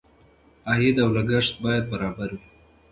عاید او لګښت باید برابر وي.